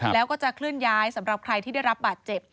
แล้วก็จะเคลื่อนย้ายสำหรับใครที่ได้รับบาดเจ็บ